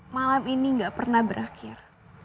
malam ini nggak pernah berakhir